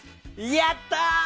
やったー！